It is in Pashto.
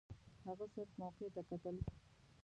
هغه صرف موقع ته کتل.